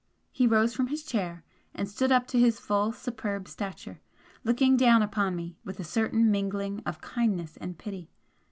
He rose from his chair and stood up to his full superb stature, looking down upon me with a certain mingling of kindness and pity.